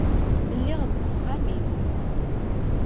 Lliɣ deg uxxam-iw.